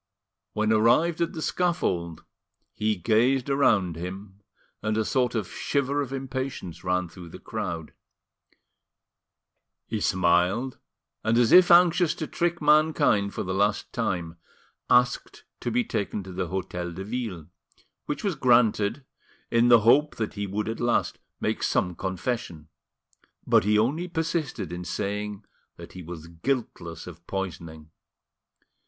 When arrived at the scaffold, he gazed around him, and a sort of shiver of impatience ran through the crowd. He smiled, and as if anxious to trick mankind for the last time, asked to be taken to the Hotel de Ville, which was granted, in the hope that he would at last make some confession; but he only persisted in saying that he was guiltless of poisoning.